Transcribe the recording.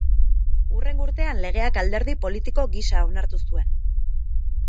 Hurrengo urtean legeak alderdi politiko gisa onartu zuen.